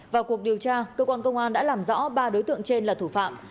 vào cuộc điều tra cơ quan công an đã làm rõ ba đối tượng trên là thủ phạm